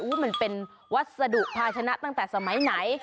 มันเป็นวัสดุภาชนะตั้งแต่สมัยไหน